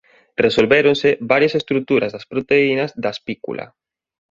Resolvéronse varias estruturas das proteínas da espícula.